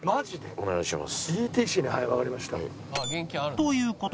お願いします！